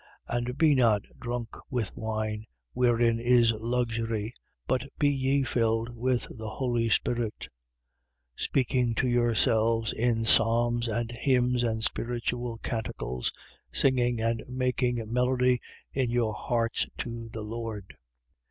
5:18. And be not drunk with wine, wherein is luxury: but be ye filled with the Holy Spirit, 5:19. Speaking to yourselves in psalms and hymns and spiritual canticles, singing and making melody in your hearts to the Lord: 5:20.